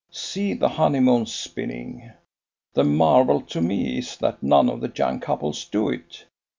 See the honeymoon spinning! The marvel to me is that none of the young couples do it.